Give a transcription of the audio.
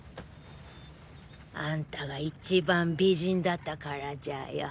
あんたが一番美人だったからじゃよ。